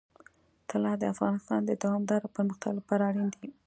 طلا د افغانستان د دوامداره پرمختګ لپاره اړین دي.